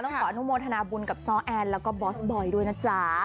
ขออนุโมทนาบุญกับซ้อแอนแล้วก็บอสบอยด้วยนะจ๊ะ